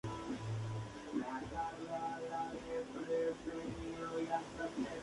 Esto no sucedía.